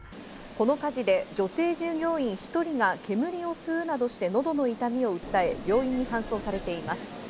この火事で女性従業員１人が煙を吸うなどして喉の痛みを訴え、病院に搬送されています。